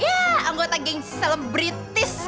ya anggota gengsi selebritis